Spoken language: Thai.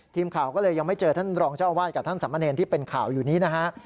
ทีมข่าวก็เลยยังไม่เจอท่านรองเจ้าอาวาสกับท่านสามเณรที่เป็นข่าวอยู่นี้นะฮะ